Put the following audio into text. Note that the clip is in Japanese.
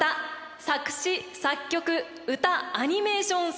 作詞作曲歌アニメーション全てを担当。